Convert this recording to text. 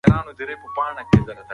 د ځان ساتنه فرض ده.